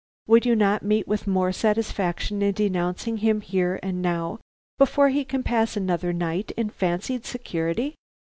"Would you not meet with more satisfaction in denouncing him here and now before he can pass another night in fancied security?"